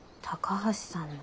高橋さん！